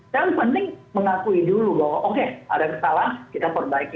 dan penting mengakui dulu bahwa oke ada kesalahan kita perbaiki